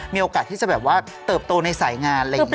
มีโอกาสที่จะแบบว่าเติบโตในสายงานอะไรอย่างนี้